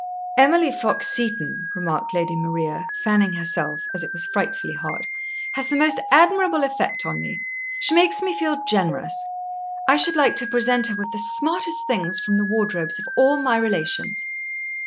"Emily Fox Seton," remarked Lady Maria, fanning herself, as it was frightfully hot, "has the most admirable effect on me. She makes me feel generous. I should like to present her with the smartest things from the wardrobes of all my relations."